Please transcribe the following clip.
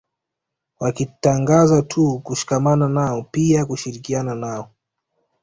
Wakitangaza tu kushikamana nao pia kushirikiana nao